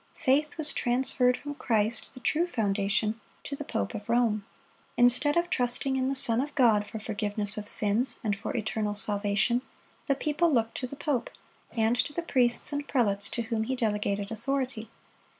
Faith was transferred from Christ, the true foundation, to the pope of Rome. Instead of trusting in the Son of God for forgiveness of sins and for eternal salvation, the people looked to the pope, and to the priests and prelates to whom he delegated authority.